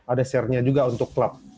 ada share nya juga untuk klub